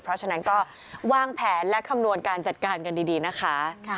เพราะฉะนั้นก็วางแผนและคำนวณการจัดการกันดีนะคะ